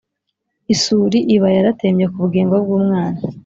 Isuri iba yaratembye kubugingo bwumwana